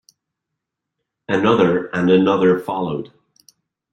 Another and another followed.